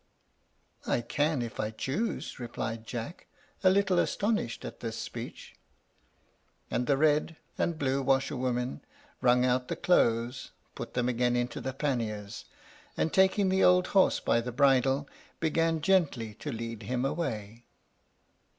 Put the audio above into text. "I can if I choose," replied Jack, a little astonished at this speech. And the red and blue washer women wrung out the clothes, put them again into the panniers, and taking the old horse by the bridle, began gently to lead him away.